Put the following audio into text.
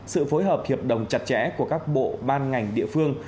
sự phối hợp hiệp đồng chặt chẽ của các bộ ban ngành địa phương